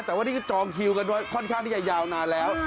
แต่วันนี้ก็จองคิวกันไว้ค่อนข้างที่จะยาวนานแล้ว